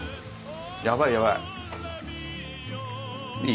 やばいやばい。